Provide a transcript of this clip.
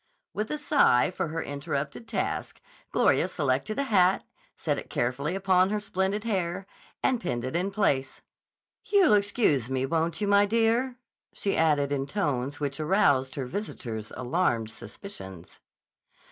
With a sigh for her interrupted task, Gloria selected a hat, set it carefully upon her splendid hair and pinned it in place. "You'll excuse me, won't you, my dear?" she added in tones which aroused her visitor's alarmed suspicions.